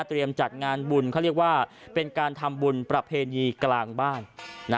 จัดงานบุญเขาเรียกว่าเป็นการทำบุญประเพณีกลางบ้าน